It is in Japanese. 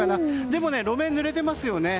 でも、路面ぬれていますよね。